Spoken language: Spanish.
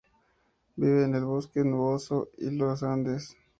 Vive en el bosque nuboso de los Andes.